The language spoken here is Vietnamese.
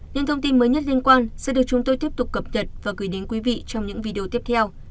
những thông tin mới nhất liên quan sẽ được chúng tôi tiếp tục cập nhật và gửi đến quý vị trong những video tiếp theo